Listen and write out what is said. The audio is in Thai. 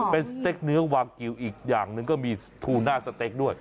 เป็นสเต็กเนื้อวางกิวอีกอย่างหนึ่งก็มีทูน่าสเต็กด้วย